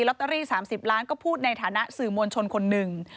ลอตเตอรี่๓๐ล้านก็พูดในฐานะสื่อมวลชนคนหนึ่ง